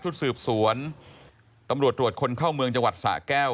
ชุดสืบสวนตำรวจตรวจคนเข้าเมืองจังหวัดสะแก้ว